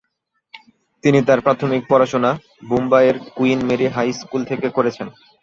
তিনি তার প্রাথমিক পড়াশুনা বোম্বাইয়ের কুইন মেরি হাই স্কুলে থেকে করেছেন।